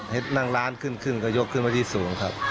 เห็นนั่งร้านขึ้นก็ยกขึ้นมาที่สูงครับ